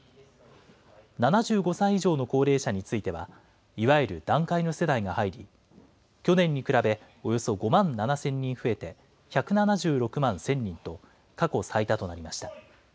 ７５歳以上の高齢者については、いわゆる団塊の世代が入り、去年に比べおよそ５万７０００人増えて１７６万１０００人と、過去最多となりました。